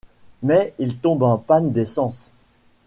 Mais il tombe en panne d'essence.